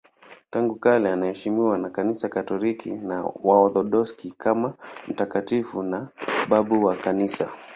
Tangu kale anaheshimiwa na Kanisa Katoliki na Waorthodoksi kama mtakatifu na babu wa Kanisa.